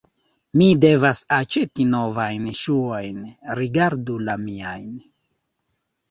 Mi devas aĉeti novajn ŝuojn; rigardu la miajn.